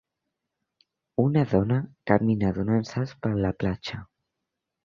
Una dona camina donant salts per la platja.